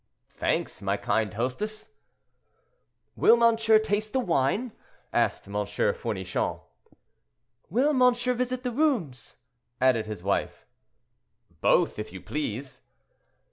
"Thanks, my kind hostess." "Will monsieur taste the wine?" asked M. Fournichon. "Will monsieur visit the rooms?" added his wife. "Both, if you please."